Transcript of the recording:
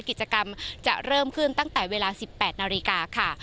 กิจกรรมจะเริ่มขึ้นตั้งแต่เวลา๑๘นาฬิกาค่ะ